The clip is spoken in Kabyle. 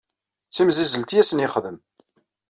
D timsizzelt i asen-yexdem.